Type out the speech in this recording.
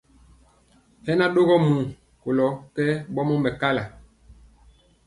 Hɛ na ɗogɔ muu kolɔ kɛ ɓɔmɔ mɛkala.